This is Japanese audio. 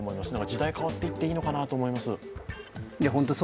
時代が変わっていってもいいと思います。